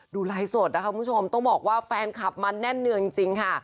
ดูไลฟ์สดนะคะคุณผู้ชมต้องบอกว่าแฟนคลับมาแน่นเนืองจริงค่ะ